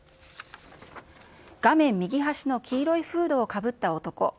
画面右端の黄色いフードをかぶった男。